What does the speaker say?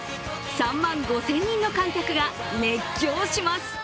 ３万５０００人の観客が熱狂します。